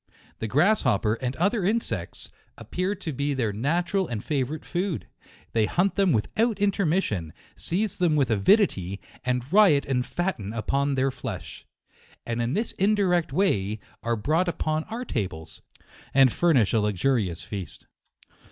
The grasshopper, and other insects, appear to be their natural and favourite food ; they hunt them without intermission, seize them with avidity, and riot and fatten upon their flesh. And in this indirect way, are brought upon our tables, and furnish a luxurious feast.